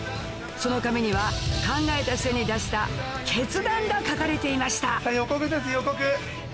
その紙には考えた末に出した決断が書かれていました予告です予告。